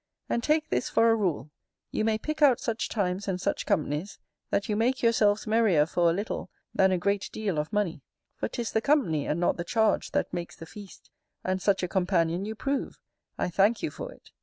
And take this for a rule: you may pick out such times and such companies, that you make yourselves merrier for a little than a great deal of money; for "'Tis the company and not the charge that makes the feast"; and such a companion you prove: I thank you for it.